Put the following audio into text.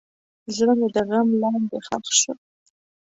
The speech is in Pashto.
زړه مې د غم لاندې ښخ شو.